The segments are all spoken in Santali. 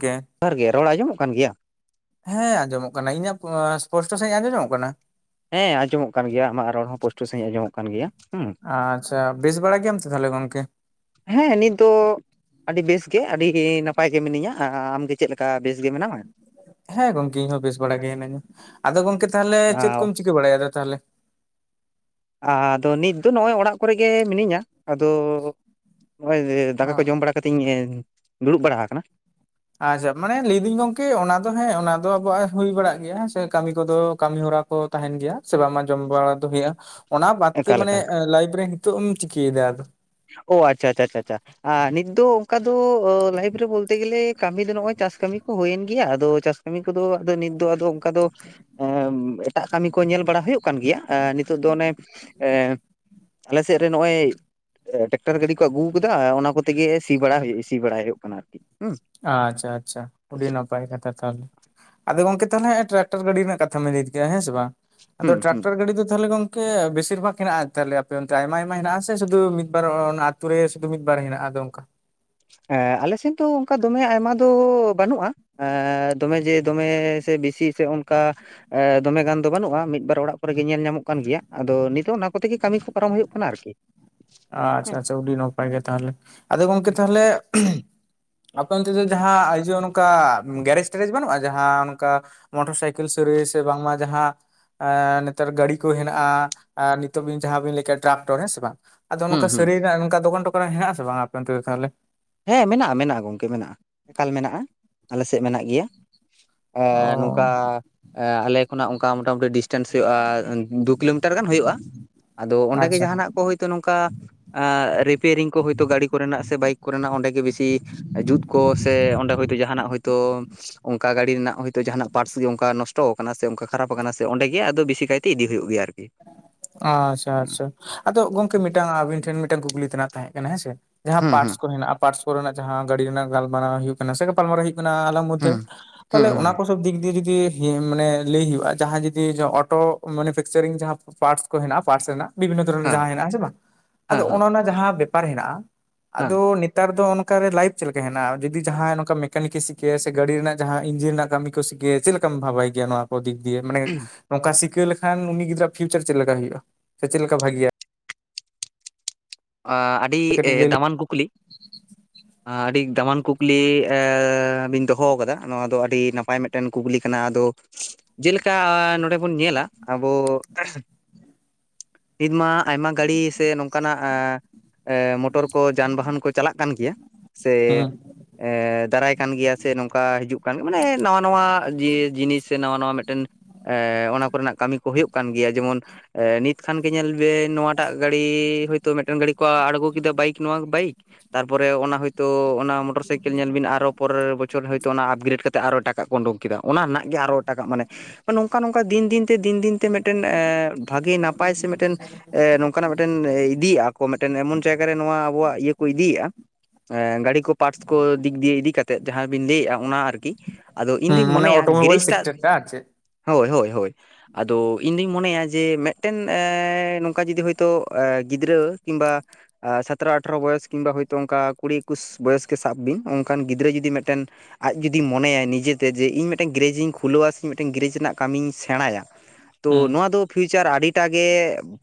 ᱜᱮᱻ ᱡᱚᱦᱟᱨ ᱜᱮ ᱨᱚᱲ ᱟᱸᱡᱚᱢᱚᱜ ᱠᱟᱱ ᱜᱮᱭᱟ? ᱦᱮᱸ ᱟᱸᱡᱚᱢᱚᱜ ᱠᱟᱱᱟ ᱾ ᱤᱧᱟᱹᱜ ᱯᱚᱥ ᱯᱚᱥᱴᱚ ᱥᱟᱺᱦᱤᱡ ᱟᱸᱡᱚᱢ ᱧᱟᱢᱚᱜ ᱠᱟᱱᱟ? ᱦᱮᱸ ᱟᱸᱡᱚᱢᱚᱜ ᱠᱟᱱ ᱜᱮᱭᱟ, ᱟᱢᱟᱜ ᱨᱚᱲ ᱦᱚᱸ ᱯᱳᱥᱴᱳ ᱥᱟᱺᱦᱤᱡ ᱟᱸᱡᱚᱢᱚᱜ ᱠᱟᱱ ᱜᱮᱭᱟ ᱾ ᱟᱪᱪᱷᱟ, ᱵᱮᱥ ᱵᱟᱲᱟ ᱜᱮᱭᱟᱢ ᱛᱚ ᱛᱟᱦᱚᱞᱮ ᱜᱚᱝᱠᱮ? ᱦᱮᱸ, ᱱᱤᱛ ᱫᱚ ᱟᱹᱰᱤ ᱵᱮᱥ ᱜᱮ ᱟᱹᱰᱤ ᱱᱟᱯᱟᱭ ᱜᱮ ᱢᱤᱱᱟᱹᱧᱟ ᱟᱻ ᱟᱢᱜᱮ ᱪᱮᱫ ᱞᱮᱠᱟ ᱵᱮᱥ ᱜᱮ ᱢᱮᱱᱟᱢᱟ? ᱦᱮᱸ ᱜᱚᱢᱠᱮ ᱤᱧ ᱦᱚᱸ ᱵᱮᱥ ᱵᱟᱲᱟ ᱜᱮ ᱦᱤᱱᱟᱹᱧᱟ ᱟᱫᱚ ᱜᱚᱢᱠᱮ ᱛᱟᱦᱚᱞᱮ ᱪᱮᱫ ᱠᱚᱢ ᱪᱤᱠᱟᱹ ᱵᱟᱲᱟᱭᱟᱫᱟ ᱛᱟᱦᱞᱮ? ᱟᱫᱚ ᱱᱤᱛ ᱫᱚ ᱱᱚᱜ-ᱚᱭ ᱚᱲᱟᱜ ᱠᱚᱨᱮ ᱜᱮ ᱢᱤᱱᱤᱹᱧᱟ ᱟᱫᱚ [inaudible] ᱫᱟᱠᱟ ᱠᱚ ᱡᱚᱢ ᱵᱟᱲᱟ ᱠᱟᱛᱮᱧ ᱫᱩᱲᱩᱵ ᱵᱟᱲᱟ ᱟᱠᱟᱱᱟ᱾ ᱟᱡᱟᱵ ᱢᱟᱱᱮ ᱞᱟᱹᱭᱫᱤᱹᱧ ᱜᱚᱝᱠᱮ ᱚᱱᱟ ᱫᱚ ᱦᱮᱸ ᱚᱱᱟ ᱫᱚ ᱟᱵᱚᱣᱟᱜ ᱦᱩᱭ ᱵᱟᱲᱟᱜ ᱜᱮᱭᱟ ᱥᱮ ᱠᱟᱹᱢᱤ ᱠᱚᱫᱚ ᱠᱟᱹᱢᱤ ᱦᱚᱨᱟ ᱠᱚ ᱛᱟᱦᱮᱱ ᱜᱮᱭᱟ ᱥᱮ ᱵᱟᱝᱢᱟ ᱡᱚᱢ ᱵᱟᱲᱟ ᱫᱚ ᱦᱩᱭᱩᱜ-ᱟ ᱚᱱᱟ ᱵᱟᱫᱛᱮ ᱮᱠᱟᱞ ᱢᱟᱱᱮ ᱮᱠᱟᱞ ᱮ ᱞᱟᱭᱤᱯᱷ ᱨᱮ ᱦᱤᱛᱳᱜ ᱮᱢ ᱪᱤᱠᱟᱹᱭᱫᱟ ᱟᱫ ᱚ ᱟᱪᱷᱟ ᱟᱪᱷᱟ ᱟᱪᱷᱟ᱾ ᱟᱨ ᱱᱤᱛ ᱫᱚ ᱚᱝᱠᱟ ᱫᱚ ᱞᱟᱭᱤᱯᱷ ᱨᱮ ᱵᱚᱞᱛᱮ ᱜᱮᱞᱮ ᱠᱟᱹᱢᱤ ᱫᱚ ᱱᱚᱜ-ᱚᱭ ᱪᱟᱥ ᱠᱟᱹᱢᱤ ᱠᱚ ᱦᱩᱭᱮᱱ ᱜᱮᱭᱟ ᱟᱫᱚ ᱪᱟᱥ ᱠᱟᱹᱢᱤ ᱠᱚᱫᱚ ᱟᱫᱚ ᱱᱤᱛ ᱫᱚ ᱟᱫᱚ ᱚᱱᱠᱟ ᱫᱚ᱾ ᱮᱸᱢ ᱮᱴᱟᱜ ᱠᱟᱹᱢᱤ ᱠᱚ ᱧᱮᱞ ᱵᱟᱲᱟ ᱦᱩᱭᱩᱜ ᱠᱟᱱ ᱜᱮᱭᱟ ᱮᱸ ᱱᱤᱛᱚᱜ ᱫᱚ ᱚᱱᱮ ᱮᱸ᱾ ᱟᱞᱮ ᱥᱮᱜ ᱨᱮ ᱱᱚᱜ-ᱚᱭ ᱴᱮᱠᱴᱟᱨ ᱜᱟᱹᱰᱤ ᱠᱚ ᱟᱹᱜᱩᱠᱟᱫᱟ ᱚᱱᱟ ᱠᱚᱛᱮᱜᱮ ᱥᱤ ᱵᱟᱲᱟ ᱦᱩᱭᱩ ᱥᱤ ᱵᱟᱲᱟᱭ ᱦᱩᱭᱩᱜ ᱠᱟᱱᱟ ᱟᱨᱠᱤ ᱩᱸ᱾ ᱟᱪᱷᱟ ᱟᱪᱷᱟ ᱟᱹᱰᱤ ᱱᱟᱯᱟᱭ ᱠᱟᱛᱷᱟ ᱛᱟᱦᱚᱞᱮ ᱟᱫᱚ ᱜᱚᱢᱠᱮ ᱛᱟᱦᱚᱞᱮ ᱴᱨᱟᱠᱴᱟᱨ ᱜᱟᱹᱰᱤ ᱨᱮᱱᱟᱜ ᱠᱟᱛ ᱛᱷᱟᱢ ᱮ ᱦᱮᱸ ᱥᱮ ᱵᱟᱝ ᱟᱫᱚ ᱦᱩᱸ ᱦᱩᱸ ᱴᱨᱟᱠᱴᱟᱨ ᱜᱟᱹᱰᱤ ᱫᱚ ᱛᱟᱦᱚᱞᱮ ᱜᱚᱝ ᱠᱮ ᱵᱮᱥᱤᱨ ᱵᱷᱟᱜᱽ ᱦᱮᱱᱟᱜ-ᱟ ᱛᱟᱦᱞᱮ ᱟᱯᱮ ᱚᱱᱛᱮ ᱟᱭᱢᱟ ᱟᱭᱢᱟ ᱦᱮᱱᱟᱜ-ᱟ ᱥᱮ ᱥᱩᱫᱩ ᱢᱤᱫ ᱵᱟᱨ ᱚ ᱚᱱᱟ ᱟᱛᱩ ᱨᱮ ᱥᱩᱫᱩ ᱢᱤᱫ ᱵᱟᱨ ᱦᱮᱱᱟᱜ-ᱟ ᱟᱫᱚ ᱚᱝᱠᱟ᱾ ᱮᱸ ᱟᱞᱮᱥᱮᱫ ᱫᱚ ᱚᱱᱠᱟ ᱫᱚᱢᱮ ᱟᱭᱢᱟ ᱫᱚ ᱵᱟᱹᱱᱩᱜ-ᱟ᱾ ᱮᱸᱮ ᱫᱚᱢᱮ ᱡᱮ ᱫᱚᱢᱮ ᱥᱮ ᱵᱮᱥᱤ ᱥᱮ ᱚᱱᱠᱟ᱾ ᱮ ᱫᱚᱢᱮ ᱜᱟᱱ ᱫᱚ ᱵᱟᱹᱱᱩᱜ-ᱟ ᱢᱤᱫᱵᱟᱨ ᱚᱲᱟᱜ ᱠᱚᱨᱮ ᱜᱮ ᱧᱮᱞ ᱧᱟᱢᱚᱜ ᱠᱟᱱ ᱜᱮᱭᱟ ᱟᱫᱚ ᱱᱤᱛᱚᱜ ᱚᱱᱟ ᱠᱚᱛᱮᱜᱮ ᱠᱟᱹᱢᱤ ᱠᱚ ᱯᱟᱨᱚᱢ ᱦᱩᱭᱩᱜ ᱠᱟᱱᱟ ᱟᱨᱠᱤ᱾ ᱦᱮᱸ ᱟᱪᱷᱟ ᱟᱪᱷᱟ ᱩᱰᱤ ᱱᱟᱯᱟᱭ ᱜᱮ ᱛᱟᱦᱞᱮ ᱟᱫᱚ ᱜᱚᱢᱠᱮ ᱛᱟᱦᱞᱮ, ᱟᱯᱮ ᱚᱱᱛᱮ ᱫᱚ ᱡᱟᱦᱟᱸ ᱟᱭᱡᱮ ᱚᱱᱠᱟ ᱜᱮᱨᱮᱡᱽ ᱴᱮᱨᱮᱡᱽ ᱵᱟᱹᱱᱩᱜ-ᱟ ᱡᱟᱦᱟᱸ ᱚᱱᱠᱟ᱾ ᱢᱚᱴᱚᱨ ᱥᱟᱭᱠᱮᱞ ᱥᱟᱹᱨᱟᱹᱭ ᱥᱮ ᱵᱟᱝᱢᱟ ᱡᱟᱦᱟᱸ᱾ ᱮᱸ ᱱᱮᱛᱟᱨ ᱜᱟᱲᱤ ᱠᱚ ᱦᱮᱱᱟᱜ-ᱟ ᱟᱨ ᱱᱤᱛᱚᱜ ᱵᱤᱱ ᱡᱟᱦᱟᱸ ᱵᱤᱱ ᱞᱟᱹᱭ ᱠᱮᱜ ᱴᱨᱟᱠᱴᱚᱨ ᱦᱮᱸ ᱥᱮ ᱵᱟᱝ? ᱟᱫᱚ ᱦᱩᱸ ᱱᱚᱝᱠᱟ ᱦᱩᱸ ᱥᱟᱹᱨᱟᱹᱭ ᱨᱮᱱᱟᱜ ᱱᱚᱝᱠᱟ ᱫᱚᱠᱟᱱ ᱴᱚᱠᱟᱱ ᱨᱮ ᱦᱮᱱᱟᱜ-ᱟ ᱥᱮ ᱵᱟᱝ ᱟᱯᱮ ᱚᱱᱛᱮ ᱫᱚ ᱛᱟᱦᱚᱞᱮ? ᱦᱮᱸ ᱢᱮᱱᱟᱜ-ᱟ ᱢᱮᱱᱟᱜ-ᱟ ᱜᱚᱢᱠᱮ ᱢᱮᱱᱟᱜ-ᱟ ᱮᱠᱟᱞ ᱢᱮᱱᱟᱜ-ᱟ ᱟᱞᱮ ᱥᱮᱜ ᱢᱮᱱᱟᱜ ᱜᱮᱭᱟ᱾ ᱮ ᱚ ᱱᱚᱝᱠᱟ᱾ ᱟᱞᱮ ᱠᱷᱚᱱᱟᱜ ᱚᱱᱠᱟ ᱢᱳᱚᱴᱟᱢᱩᱴᱤ ᱰᱤᱥᱴᱮᱱᱥ ᱦᱳᱭᱳᱜ-ᱟ ᱫᱩ ᱠᱤᱞᱳᱢᱤᱴᱟᱨ ᱜᱟᱱ ᱦᱳᱭᱳᱜ-ᱟ᱾ ᱟᱫᱚ ᱚᱸᱰᱮ ᱜᱮ ᱟᱪᱪᱷᱟ ᱡᱟᱦᱟᱱᱟᱜ ᱠᱚ ᱦᱳᱭᱛᱚ ᱱᱚᱝᱠᱟ ᱟᱸ ᱨᱤᱯᱮᱭᱟᱨᱤᱝ ᱠᱚ ᱦᱳᱭᱛᱳ ᱜᱟᱹᱲᱤ ᱠᱚᱨᱮᱱᱟᱜ ᱥᱮ ᱵᱟᱭᱤᱠ᱾ ᱨᱮᱱᱟᱜ ᱚᱸᱰᱮ ᱜᱮ ᱵᱮᱥᱤ ᱡᱩᱛ ᱠᱚ ᱥᱮ ᱚᱸᱰᱮ ᱦᱳᱭᱛᱚ ᱡᱟᱦᱟᱱᱟᱜ ᱦᱳᱭᱛᱚ᱾ ᱚᱝᱠᱟ ᱜᱟᱹᱲᱤ ᱨᱮᱱᱟᱜ ᱦᱳᱭᱛᱳ ᱡᱟᱦᱟᱱᱟᱜ ᱯᱟᱨᱴᱥ ᱜᱮ ᱚᱱᱠᱟ ᱱᱚᱥᱴᱚ ᱟᱠᱟᱱᱟ ᱥᱮ ᱚᱱᱠᱟ ᱠᱷᱟᱨᱟᱯ ᱟᱠᱟᱱᱟ ᱥᱮ ᱚᱸᱰᱮ ᱜᱮ ᱟᱫᱚ ᱵᱮᱥᱤ ᱠᱟᱭᱛᱮ ᱤᱫᱤ ᱦᱩᱭᱩᱜ ᱜᱮᱭᱟ ᱟᱨ ᱟᱸᱪᱷᱟ ᱟᱪᱷᱟ ᱟᱫᱚ ᱜᱚᱢᱠᱮ ᱢᱤᱫᱴᱟᱝ ᱟᱵᱤᱱ ᱴᱷᱮᱱ ᱢᱤᱫᱴᱟᱝ ᱠᱩᱠᱞᱤ ᱛᱮᱱᱟᱜ ᱛᱟᱦᱮᱸᱜ ᱠᱟᱱᱟ ᱦᱮᱸ ᱥᱮ᱾ ᱡᱟᱦᱟᱸ ᱦᱩᱸ ᱯᱟᱴᱥ ᱦᱩᱸ ᱠᱚ ᱦᱮᱱᱟᱜ-ᱟ ᱯᱟᱴᱥ ᱠᱚᱨᱮᱱᱟᱜ ᱡᱟᱦᱟᱸ ᱜᱟᱹᱰᱤ ᱨᱮᱱᱟᱜ ᱜᱟᱞᱢᱟᱨᱟᱣ ᱦᱩᱭᱩᱜ ᱠᱟᱱᱟ ᱥᱮ ᱜᱟᱟᱞᱟᱨᱟᱣ ᱦᱩᱭᱩᱜ ᱠᱟᱱᱟ ᱟᱞᱚᱢ ᱢᱚᱫᱷᱮ ᱦᱩᱸ ᱦᱩᱸ ᱦᱮᱸ ᱛᱟᱦᱞᱮ ᱚᱱᱟ ᱠ ᱠᱚ ᱥᱚᱵ ᱫᱤᱠ ᱫᱤᱭᱮ ᱡᱩᱫᱤ ᱦᱤ ᱢᱟᱱᱮ ᱞᱟᱹᱭ ᱦᱳᱭᱳᱜ-ᱟ ᱡᱟᱦᱟᱸ ᱡᱩᱫᱤ ᱡᱚ ᱚᱴᱳ ᱢᱮᱱᱩᱯᱷᱮᱠᱪᱟᱨᱤᱝ ᱡᱟᱦᱟᱸ᱾ ᱯᱟᱴᱥ ᱠᱚ ᱦᱮᱱᱟᱜ-ᱟ ᱯᱟᱴᱥ ᱨᱮᱱᱟᱜ ᱵᱤᱵᱷᱤᱱᱱᱚ ᱫᱷᱚᱨᱚᱱ ᱡᱟᱦᱟᱸ ᱦᱮᱱᱟᱜ-ᱟ ᱦᱮᱸᱥᱮ ᱵᱟᱝ ᱦᱮᱸ ᱟᱫᱚ ᱦᱮᱸ ᱚᱱᱚ ᱚᱱᱟ ᱡᱟᱦᱟᱸ ᱵᱮᱯᱟᱨ ᱦᱮᱱᱟᱜ-ᱟ᱾ ᱦᱮᱸ ᱟᱫᱚ ᱱᱮᱛᱟᱨ ᱫᱚ ᱚᱱᱠᱟ ᱨᱮ ᱞᱟᱭᱤᱯᱷ ᱪᱮᱫ ᱞᱮᱠᱟ ᱦᱮᱱᱟᱜ-ᱟ ᱡᱩᱫᱤ ᱡᱟᱦᱟᱸᱭ ᱱᱚᱝᱠᱟ ᱢᱮᱠᱟᱱᱤᱠ ᱮ ᱥᱤᱠᱟᱹᱭᱟ ᱥᱮ ᱜᱟᱹᱰᱤ ᱨᱮᱱᱟᱜ ᱡᱟᱦᱟᱸ ᱤᱧᱡᱤᱱ ᱨᱮᱱᱟᱜ ᱠᱟᱹᱢᱤ ᱠᱚ ᱥᱤ ᱪᱮᱫ ᱞᱮᱠᱟᱢ ᱵᱷᱟᱵᱟᱭ ᱜᱮᱭᱟ ᱱᱚᱣᱟ ᱠᱚ ᱫᱤᱠ? ᱢᱟᱱᱮ ᱱᱚᱝᱠᱟ ᱥᱤᱠᱟᱹᱣ ᱞᱮᱠᱷᱟᱱ ᱩᱱᱤ ᱜᱤᱫᱽᱨᱟᱹᱣᱟᱜ ᱯᱷᱤᱭᱩᱪᱟᱨ ᱪᱮᱫ ᱞᱮᱠᱟ ᱦᱳᱭᱳᱜ-ᱟ? ᱥᱮ ᱪᱮᱫ ᱞᱮᱠᱟ ᱵᱷᱟᱜᱮᱭᱟ? ᱟ ᱮ ᱟᱹᱰᱤ ᱠᱟᱹᱴᱤᱡ ᱞᱟᱹᱭ ᱞᱮ ᱫᱟᱢᱟᱱ ᱠᱩᱠᱞᱤ᱾ ᱟᱹᱰᱤ ᱫᱟᱢᱟᱱ ᱠᱩᱠᱞᱤ ᱮ ᱵᱤᱱ ᱫᱚᱦᱚ ᱟᱠᱟᱫᱟ ᱱᱚᱣᱟ ᱫᱚ ᱟᱹᱰᱤ ᱱᱟᱯᱟᱭ ᱢᱮᱫᱴᱮᱱ ᱠᱩᱠᱞᱤ ᱠᱟᱱᱟ ᱟᱫᱚ᱾ [unintelligible] ᱡᱮᱞᱮᱠᱟ ᱱᱚᱰᱮ ᱵᱚᱱ ᱧᱮᱞᱟ ᱟᱵᱚ ᱾ ᱦᱤᱛᱢᱟ ᱟᱭᱢᱟ ᱜᱟᱹᱲᱤ ᱥᱮ ᱱᱚᱝᱠᱟᱱᱟᱜ᱾ ᱟ ᱮ ᱢᱚᱴᱚᱨ ᱠᱚ ᱡᱟᱱᱵᱟᱦᱟᱱ ᱠᱚ ᱪᱟᱞᱟᱜ ᱠᱟᱱ ᱜᱮᱭᱟ ᱥᱮ, ᱦᱩᱸ ᱮᱜ ᱫᱟᱨᱟᱭ ᱠᱟᱱ ᱜᱤᱭᱟ ᱥᱮ ᱱᱚᱝᱠᱟ ᱦᱤᱡᱩᱜ ᱠᱟᱱ ᱢᱟᱱᱮ ᱱᱟᱣᱟ ᱱᱟᱣᱟ ᱡᱮ ᱡᱤᱱᱤᱥ ᱥᱮ ᱱᱟᱣᱟ ᱱᱟᱣᱟ ᱢᱮᱫᱴᱮᱱ᱾ ᱮ ᱚᱱᱟ ᱠᱚᱨᱮᱱᱟᱜ ᱠᱟᱹᱢᱤ ᱠᱚ ᱦᱳᱭᱳᱜ ᱠᱟᱱ ᱜᱮᱭᱟ ᱡᱮᱢᱚᱱ ᱱᱤᱛ ᱠᱷᱟᱱ ᱜᱮ ᱧᱮᱞ ᱵᱤᱱ ᱱᱚᱣᱟᱴᱟᱜ ᱜᱟᱹᱲᱤ ᱦᱳᱭᱛᱚ ᱢᱤᱫᱴᱮᱱ ᱜᱟᱹᱲᱤ ᱠᱚ ᱟᱬᱜᱚ ᱠᱮᱫᱟ ᱵᱟᱭᱤᱠ ᱱᱚᱣᱟ ᱵᱟᱭᱤᱠ᱾ ᱛᱟᱨ ᱯᱚᱨᱮ ᱚᱱᱟ ᱦᱚᱭᱛᱳ ᱚᱱᱟ ᱢᱚᱴᱚᱨ ᱥᱟᱭᱠᱮᱞ ᱧᱮᱞ ᱵᱤᱱ ᱟᱨᱚ ᱯᱚᱨᱮᱨ ᱵᱚᱪᱷᱚᱨ ᱦᱳᱭᱛᱳ ᱚᱱᱟ ᱟᱯᱜᱨᱮᱰ ᱠᱟᱛ ᱛᱮᱜ ᱟᱨᱚ ᱮᱴᱟᱠᱟᱜ ᱠᱚ ᱩᱰᱩᱝ ᱠᱮᱫᱟ᱾ ᱚᱱᱟ ᱨᱮᱱᱟᱜ ᱜᱮ ᱟᱨᱚ ᱮᱴᱟᱠᱟᱜ ᱢᱟᱱᱮ ᱱᱚᱝᱠᱟ ᱱᱚᱝᱠᱟ ᱫᱤᱱ ᱫᱤᱱᱛᱮ ᱫᱤᱱ ᱫᱤᱱᱛᱮ ᱢᱤᱴᱮᱱ ᱮ ᱵᱷᱟᱜᱤ ᱱᱟᱯᱟᱭ ᱥᱮ ᱢᱤᱴᱮᱱ ᱮ ᱱᱚᱝᱠᱟᱱᱟᱜ ᱢᱤᱴᱮᱱ ᱮ ᱤᱛ ᱫᱤᱭ ᱟ-ᱠᱚ ᱢᱤᱴᱮᱱ ᱮᱢᱚᱱ ᱡᱟᱭᱜᱟ ᱨᱮ ᱱᱚᱣᱟ ᱟᱵᱚᱣᱟᱜ ᱤᱭᱟᱹ ᱠᱚ ᱤᱫᱤᱭᱮ-ᱟ ᱮᱸ ᱜᱟᱹᱲᱤ ᱠᱚ ᱯᱟᱴᱥ ᱠᱚ ᱫᱤᱠ ᱫᱤᱭᱮ ᱤᱫᱤ ᱠᱟᱛᱮᱫ ᱡᱟᱦᱟᱸ ᱵᱤᱱ ᱞᱟᱹᱭᱮᱫ-ᱟ ᱚᱱᱟ ᱟᱨᱠᱤ, ᱾ ᱟᱫᱚ ᱤᱧ ᱦᱩᱸ ᱫᱩᱧ ᱢᱟᱱᱮ ᱢᱚᱱᱮᱭᱟ ᱚᱴᱳᱢᱳᱵᱟᱭᱤᱞ ᱜᱮᱨᱮᱥ ᱴᱟᱜ᱾ ᱥᱮᱠᱴᱟᱨ ᱴᱟ ᱟᱨ ᱪᱮᱫ ᱦᱳᱭ ᱦᱳᱭ ᱦᱳᱭ᱾ ᱟᱫᱚ ᱤᱧ ᱫᱩᱧ ᱢᱚᱱᱮᱭᱟ ᱡᱮ ᱢᱮᱫᱴᱮᱱ ᱮ ᱱᱚᱝᱠᱟ ᱡᱩᱫᱤ ᱦᱳᱭᱛᱳ ᱮ ᱜᱤᱫᱽᱨᱟᱹ ᱠᱤᱢᱵᱟ ᱟ ᱥᱟᱛᱨᱚ ᱟᱴᱷᱨᱚ ᱵᱚᱭᱚᱥ ᱠᱤᱢᱵᱟ ᱦᱳᱭᱛᱳ ᱚᱝᱠᱟ ᱠᱩᱲᱤ ᱤᱠᱩᱥ ᱵᱚᱭᱮᱥ ᱜᱮ ᱥᱟᱵ ᱵᱤᱱ ᱚᱝᱠᱟᱱ ᱜᱤᱫᱽᱨᱟᱹ ᱡᱩᱫᱤ ᱢᱮᱫᱴᱮᱱ ᱟᱡᱷ ᱡᱩᱫᱤ ᱢᱚᱱᱮᱭᱟᱭ ᱱᱤᱡᱮᱛᱮ ᱡᱮ ᱤᱧ ᱢᱮᱴᱮᱱ ᱜᱮᱨᱮᱡᱤᱧ ᱠᱷᱩᱞᱟᱹᱣᱟ ᱥᱮ ᱢᱤᱫᱴᱮᱱ ᱜᱮᱨᱮᱡᱽ ᱨᱮᱱᱟᱜ ᱠᱟᱹᱢᱤᱧ ᱥᱮᱸᱬᱟᱭᱟ᱾ ᱦᱩᱸ ᱛᱚ ᱱᱚᱣᱟ ᱫᱚ ᱯᱷᱤᱭᱩᱪᱟᱨ ᱟᱹᱰᱤᱴᱟ ᱜᱮ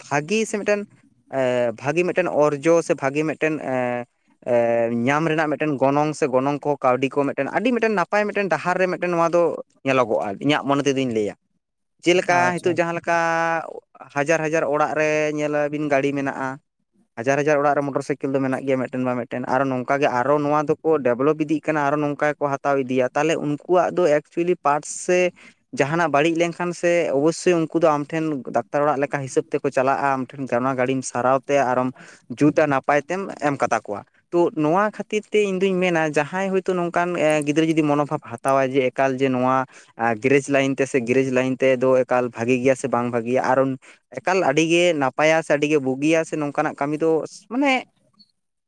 ᱵᱷᱟᱜᱮ ᱥᱮ ᱢᱤᱫᱴᱮᱱ ᱮ ᱵᱷᱟᱹᱜᱤ ᱢᱮᱫᱴᱮᱱ ᱚᱨᱡᱚ ᱥᱮ ᱵᱷᱟᱹᱜᱮ ᱢᱮᱫᱴᱮᱱ ᱮ ᱮ ᱧᱟᱢ ᱨᱮᱱᱟᱜ ᱢᱤᱫᱴᱮᱱ ᱜᱚᱱᱚᱝ ᱥᱮ ᱜᱚᱱᱚᱝ ᱠᱚ ᱠᱟᱹᱣᱰᱤ ᱠᱚ ᱢᱮᱜᱴᱮᱱ ᱟᱹᱰᱤ ᱢᱤᱴᱮᱱ ᱱᱟᱯᱟᱭ ᱢᱮᱫᱴᱮᱱ ᱰᱟᱦᱟᱨ ᱨᱮ ᱢᱤᱫᱴᱮᱱ ᱱᱚᱣᱟ ᱫᱚ ᱧᱮᱞᱚᱜᱚᱜᱼᱟ ᱤᱧᱟᱹᱜ ᱢᱚᱱᱮ ᱛᱮᱫᱚᱧ ᱞᱟᱹᱭᱟ᱾ ᱪᱮᱞᱮᱠᱟ ᱟᱪᱪᱷᱟ ᱦᱤᱛᱚᱜ ᱡᱟᱦᱟᱸ ᱞᱮᱠᱟ ᱦᱟᱡᱟᱨ ᱦᱟᱡᱟᱨ ᱚᱲᱟᱜ ᱨᱮ ᱧᱮ ᱞᱟᱹᱵᱤᱱ ᱜᱟᱹᱲᱤ ᱢᱮᱱᱟᱜᱼᱟ᱾ ᱦᱟᱡᱟᱨ ᱦᱟᱡᱟᱨ ᱚᱲᱟᱜ ᱨᱮ ᱢᱚᱴᱚᱨ ᱥᱟᱭᱠᱮᱞ ᱫᱚ ᱢᱮᱱᱟᱜ ᱜᱮᱭᱟ ᱢᱮᱜᱴᱮᱱ ᱵᱟ ᱢᱮᱜᱴᱮᱱ ᱟᱨ ᱱᱚᱝᱠᱟ ᱜᱮ ᱟᱨᱚ ᱱᱚᱣᱟ ᱫᱚᱠᱚ ᱰᱮᱵᱷᱞᱚᱯ ᱤᱫᱤᱜ ᱠᱟᱱᱟ ᱟᱨᱚ ᱱᱚᱝᱠᱟ ᱜᱮᱠᱚ ᱦᱟᱛᱟᱣ ᱤᱫᱤᱭᱟ᱾ ᱛᱟᱦᱞᱮ ᱩᱱᱠᱩᱣᱟᱜ ᱫᱚ ᱮᱠᱪᱩᱭᱮᱞᱤ ᱯᱟᱴᱥ ᱥᱮ ᱡᱟᱦᱟᱱᱟᱜ ᱵᱟᱹᱲᱤᱡ ᱞᱮᱱ ᱠᱷᱟᱱ ᱥᱮ ᱚᱵᱚᱥᱥᱳᱭ ᱩᱱᱠᱩ ᱫᱚ ᱴᱷᱮᱱ ᱫᱟᱠᱛᱟᱨ ᱚᱲᱟᱜ ᱞᱮᱠᱟ ᱦᱤᱥᱟᱹᱵ ᱛᱮᱠᱚ ᱪᱟᱞᱟᱜᱼᱟ ᱟᱢ ᱴᱷᱮᱱ᱾ ᱛᱮ ᱚᱱᱟ ᱜᱟᱲᱤᱢ ᱥᱟᱨᱟᱣ ᱛᱮ ᱟᱨᱚᱢ ᱡᱩᱛᱟ ᱱᱟᱯᱟᱭ ᱛᱮᱢ ᱮᱢ ᱠᱟᱛᱟ ᱠᱚᱣᱟ᱾ ᱛᱚ ᱱᱚᱣᱟ ᱠᱷᱟᱛᱤᱨ ᱛᱮ ᱤᱧ ᱫᱩᱧ ᱢᱮᱱᱟ ᱡᱟᱦᱟᱸᱭ ᱦᱳᱭᱛᱳ ᱱᱚᱝᱠᱟᱱ ᱮ ᱜᱤᱫᱽᱨᱟᱹ ᱡᱩᱫᱤ ᱢᱚᱱᱳᱵᱷᱟᱵ ᱦᱟᱛᱟᱣᱟᱭ ᱡᱮ ᱮᱠᱟᱞ ᱡᱮ ᱱᱚᱣᱟ ᱟ ᱜᱮᱨᱮᱡᱽ ᱞᱟᱭᱤᱱ ᱛᱮ ᱥᱮ ᱜᱮᱨᱮᱡᱽ ᱞᱟᱭᱤᱱ ᱛᱮᱫᱚ ᱮᱠᱟᱞ ᱵᱷᱟᱜᱤ ᱜᱮᱭᱟ ᱥᱮ ᱵᱟᱝ ᱵᱷᱟᱜᱤᱭᱟ ᱟᱨᱚ ᱮᱠᱟᱞ ᱟᱹᱰᱤᱜᱮ ᱱᱟᱯᱟᱭᱟ ᱥᱮ ᱟᱹᱰᱤᱜᱮ ᱵᱩᱜᱤᱭᱟ ᱥᱮ ᱱᱚᱝᱠᱟᱱᱟᱜ ᱠᱟᱹᱢᱤ ᱫᱚ ᱢᱟᱱᱮ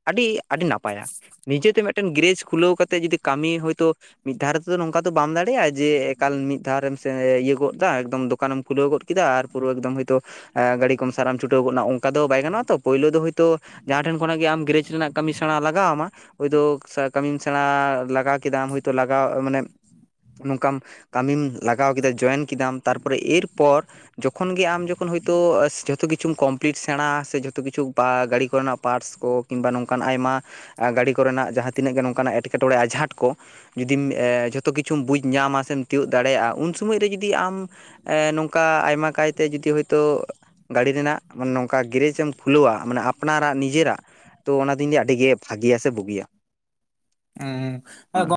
ᱟᱹᱰᱤ ᱟᱹᱰᱤ ᱱᱟᱯᱟᱭᱟ᱾ ᱱᱤᱡᱮᱛᱮ ᱢᱤᱜᱴᱮᱱ ᱜᱮᱨᱮᱡᱽ ᱠᱷᱩᱞᱟᱹᱣ ᱠᱟᱛᱮᱝ ᱡᱩᱫᱤ ᱠᱟᱹᱢᱤ ᱦᱚᱭᱛᱳ ᱢᱤᱫ ᱫᱷᱟᱣ ᱨᱮᱫᱚ ᱛᱚ ᱱᱚᱝᱠᱟ ᱫᱚ ᱵᱟᱢ ᱫᱟᱲᱮᱜᱼᱟ ᱡᱮ ᱮᱠᱟᱞ ᱢᱤᱫ ᱫᱷᱟᱣ ᱨᱮᱢ ᱥᱮ ᱤᱭᱟᱹ ᱜᱚᱫ ᱫᱟ ᱮᱠᱫᱚᱢ ᱫᱚᱠ ᱫᱚᱠᱟᱱᱮᱢ ᱠᱷᱩᱞᱟᱹᱣ ᱜᱚᱫ ᱠᱮᱫᱟ ᱟᱨ ᱯᱩᱨᱟᱹ ᱮᱠᱫᱚᱢ ᱦᱳᱭᱛᱳ ᱮ ᱜᱟᱲᱤᱠᱚᱢ ᱜᱟᱹᱲᱤ ᱠᱚᱢ ᱥᱟᱨᱟᱢ ᱪᱷᱩᱴᱟᱹᱣ ᱜᱚᱫ ᱱᱟ ᱚᱱᱠᱟ ᱫᱚ ᱵᱟᱭ ᱜᱟᱱᱚᱜᱼᱟ ᱛᱚ᱾ ᱯᱳᱭᱞᱳ ᱫᱚ ᱦᱳᱭᱛᱳ ᱡᱟᱦᱟᱸ ᱴᱷᱮᱱ ᱠᱷᱚᱱᱟᱜ ᱜᱮ ᱟᱢ ᱜᱮᱨ᱾ᱮᱡᱽ ᱨᱮᱱᱟᱜ ᱠᱟᱹᱢᱤ ᱥᱮᱬᱟ ᱞᱟᱜᱟᱣ ᱭᱟᱢᱟ᱾ ᱦᱳᱭᱛᱳ ᱥᱟ ᱠᱟᱹᱢᱤᱢ ᱥᱮᱬᱟ ᱞᱟᱜᱟᱣ ᱠᱮᱫᱟᱢ ᱦᱳᱭᱛᱳ ᱞᱟᱜᱟᱣ ᱢᱟᱱᱮ ᱱᱚᱝᱠᱟᱢ ᱠᱟᱹᱢᱤᱢ ᱞᱟᱜᱟᱣ ᱠᱮᱫᱟ ᱡᱚᱭᱮᱱ ᱠᱮᱫᱟᱢ ᱛᱟᱨ ᱯᱚᱨᱮ ᱮᱨᱯᱚᱨ ᱡᱚᱠᱷᱚᱱ ᱜᱮ ᱟᱢ ᱡᱚᱠᱷᱚᱱ ᱦᱳᱭᱛᱳ ᱟᱥ ᱡᱷᱚ ᱛᱚ ᱠᱤᱪᱷᱩᱢ ᱠᱚᱢᱯᱞᱤᱴ ᱥᱮᱬᱟ ᱥᱮ ᱡᱷᱚᱛᱚ ᱠᱤᱪᱷᱩ ᱵᱟ ᱜᱟᱲᱤ ᱠᱚᱨᱮᱱᱟᱜ ᱯᱟᱨᱴᱥ ᱠᱚ ᱠᱤᱢᱵᱟ ᱱᱚᱝᱠᱟᱱ ᱟᱭᱢᱟ ᱜᱟᱹᱲᱤ ᱠᱚᱨᱮᱱᱟᱜ ᱡᱟᱦᱟᱸ ᱛᱤᱱᱟᱹᱜ ᱜᱮ ᱱᱚᱝᱠᱟᱱᱟᱜ ᱮᱸᱴᱠᱮ ᱴᱚᱬᱮ ᱟᱸᱡᱷᱟᱴ ᱠᱚ ᱡᱩᱫᱤᱢ ᱮᱸ ᱡᱷᱚᱛᱚ ᱠᱤᱪᱷᱩᱢ ᱵᱩᱡᱽ ᱧᱟᱢᱟ ᱥᱮᱢ ᱛᱤᱭᱳᱜ ᱫᱟᱲᱮᱭᱟᱜᱼᱟ ᱩᱱ ᱥᱚᱢᱚᱡ ᱨᱮ ᱡᱩᱫᱤ ᱟᱢ ᱮ ᱱᱚᱝᱠᱟ ᱟᱭᱢᱟ ᱠᱟᱭᱛᱮ ᱡᱩᱫᱤ ᱦᱚᱭᱛᱳ ᱜᱟᱹᱲᱤ ᱨᱮᱱᱟᱜ ᱢᱟᱱᱮ ᱱᱚᱝᱠᱟ ᱜᱮᱨᱮᱡᱽ ᱮᱢ ᱠᱷᱩᱞᱟᱹᱣᱟ᱾ ᱢᱟᱱᱮ ᱟᱯᱱᱟᱨᱟᱜ ᱱᱤᱡᱮᱨᱟᱜ ᱛᱚ ᱚᱱᱟ ᱫᱩᱧ ᱞᱟᱹᱭᱟ ᱟᱹᱰᱤ ᱜᱮ ᱵᱷᱟᱜᱤᱭᱟ ᱥᱮ ᱵᱩᱜᱤᱭᱟ᱾ ᱚᱸ ᱦᱮ ᱦᱩᱸ ᱜᱚᱝ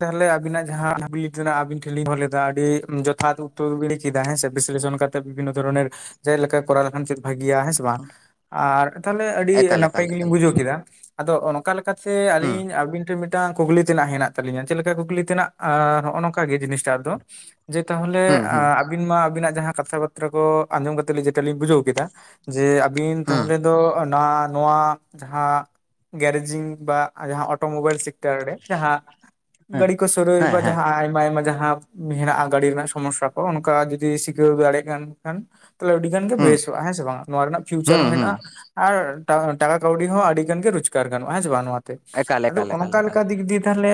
ᱛᱟᱦᱞᱮ ᱟᱵᱤᱱᱟᱜ ᱡᱟᱦᱟᱸ ᱠᱩᱠᱞᱤ ᱛᱮᱱᱟᱜ ᱟᱵᱤᱱ ᱴᱷᱮᱡ ᱞᱤᱧ ᱫᱚᱦᱚ ᱞᱮᱫᱟ ᱟᱹᱰᱤ ᱡᱚᱛᱷᱟᱛ ᱩᱛᱛᱚᱨ ᱵᱤᱱ ᱞᱟᱹᱭ ᱠᱮᱫᱟ ᱦᱮᱸ ᱥᱮ ᱵᱤᱥᱞᱮᱥᱚᱱ ᱠᱟᱛ ᱛᱮ ᱵᱤᱵᱷᱤᱱᱱᱚ ᱫᱷᱚᱨᱚᱱᱮᱨ ᱪᱮᱜ ᱞᱮᱠᱟ ᱠᱚᱨᱟᱣ ᱞᱮᱠᱷᱟᱱ ᱪᱮᱫ ᱵᱷᱟᱹᱜᱤᱭᱟ ᱦᱮᱸ ᱥᱮ᱾ ᱵᱟᱝ ᱟᱨ ᱛᱟᱦᱞᱮ ᱮᱠᱟᱞ ᱱᱟᱯᱟᱭ ᱮᱠᱟᱞ ᱜᱮᱞᱤᱧ ᱮᱠᱟᱞ ᱵᱩᱡᱷᱟᱹᱣ ᱠᱮᱫᱟ᱾ ᱟᱫᱚ ᱚᱱᱠᱟ ᱞᱮᱠᱟᱛᱮ ᱦᱩᱸ ᱟᱹᱞᱤᱧ ᱟᱵᱤᱱ ᱴᱮᱱ ᱢᱤᱫᱴᱟᱝ ᱠᱩᱠᱞᱤ ᱛᱮᱱᱟᱜ ᱦᱮᱱᱟᱜ᱾ ᱛᱟᱞᱤᱧᱟ ᱪᱮᱫ ᱞᱮᱠᱟ ᱠᱩᱠᱞᱤ ᱛᱮᱱᱟᱜ ᱟ ᱦᱚᱜ-ᱚ ᱱᱚᱝᱠᱟ ᱜᱮ ᱡᱤᱱᱤᱥ ᱴᱟᱜ ᱫᱚ ᱡᱮ ᱛᱟᱦᱚᱞᱮ ᱦᱩᱸ ᱦᱩᱸ ᱟᱜ ᱵᱤᱱ ᱢᱟ ᱟᱵᱤᱱᱟᱜ ᱡᱟᱦᱟᱸ ᱠᱟᱛᱷᱟ ᱵᱟᱛᱨᱟ ᱠᱚ ᱟᱸᱡᱚᱢ ᱠᱟᱛᱮ ᱞᱮ ᱡᱮᱴᱟ ᱞᱤᱧ ᱵᱩᱡᱷᱟᱹᱣ ᱠᱮᱫᱟ ᱡᱮ ᱵᱤᱱ ᱦᱩᱸ ᱛᱟᱦᱚᱞᱮ ᱫᱚ ᱟᱸ ᱱᱚᱣᱟ ᱡᱟᱦᱟᱸ ᱜᱮᱨᱮᱡᱤᱝ ᱵᱟ ᱡᱟᱦᱟᱸ ᱚᱴᱳ ᱢᱳᱵᱟᱭᱤᱞ ᱥᱤ ᱛᱮᱨᱰᱮ ᱡᱟᱦᱟᱸ ᱦᱮᱸ ᱦᱮᱸ ᱜᱟᱰᱤ ᱠᱚ ᱥᱩᱨᱩᱭ ᱵᱟ ᱦᱮᱸ ᱡᱟᱦᱟᱸ ᱟᱭᱢᱟ ᱟᱭᱢᱟ ᱡᱟᱦᱟᱸ ᱦᱮᱱᱟᱜᱼᱟ ᱜᱟᱹᱰᱤ ᱨᱮᱱᱟᱜ ᱥᱚᱢᱚᱥᱼᱥᱟ ᱠᱚ ᱚᱱᱠᱟ ᱡᱚᱫᱤ ᱥᱤᱠᱟᱹᱣ ᱫᱟᱲᱮᱭᱟᱜ ᱠᱟᱱ ᱠᱷᱟᱱ ᱛᱟᱦᱚᱞᱮ ᱟᱹᱰᱤ ᱜᱟᱱ ᱜᱮ ᱦᱩᱸ ᱵᱮᱥᱚᱜᱼᱟ ᱦᱮᱸ ᱥᱮ ᱵᱟᱝ ᱱᱚᱣᱟ ᱨᱮᱱᱟᱜ ᱯᱷᱤᱭᱩᱪᱟᱨ ᱦᱩᱸ ᱦᱚᱸ ᱦᱩᱸ ᱦᱮᱱᱟᱜ, ᱟᱨ ᱴᱟᱠᱟ ᱠᱟᱹᱣᱰᱤ ᱦᱚᱸ ᱟᱹᱰᱤ ᱜᱟᱱ ᱜᱮ ᱨᱳᱡᱽᱜᱟᱨ ᱜᱟᱱᱚᱜᱼᱟ ᱦᱮᱸᱥᱮ ᱵᱟᱝ ᱱᱚᱣᱟᱛᱮ ᱮᱠᱟᱞ ᱟᱫᱚ ᱮᱠᱟᱞ ᱮᱠᱟᱞ ᱚᱱᱠᱟ ᱮᱠᱟᱞ ᱞᱮᱠᱟ ᱫᱤᱠ ᱫᱤᱭᱮ ᱛᱟᱦᱞᱮ